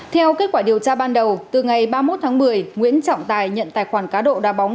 theo kết quả điều tra ban đầu từ ngày ba mươi một tháng một mươi nguyễn trọng tài nhận tài khoản cá độ đa bóng